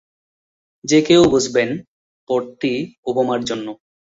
যে কেউ বুঝবেন, পদটি ওবামার জন্য।